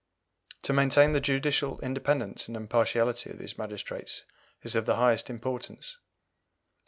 To maintain the judicial independence and impartiality of these magistrates is of the highest importance.